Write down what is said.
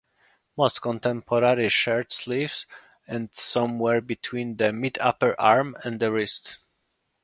Most contemporary shirt sleeves end somewhere between the mid-upper arm and the wrist.